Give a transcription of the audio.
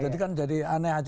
jadi kan jadi aneh aja